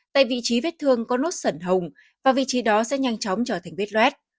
tại vị trí vết thương có nốt sẩn hồng và vị trí đó sẽ nhanh chóng trở thành vết ret